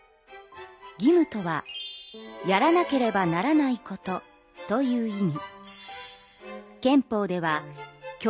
義務とは「やらなければならないこと」という意味。